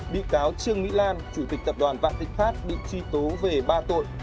bị cáo trương mỹ lan chủ tịch tập đoàn vạn thịnh pháp bị truy tố về ba tội